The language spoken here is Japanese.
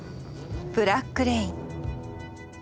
「ブラック・レイン」。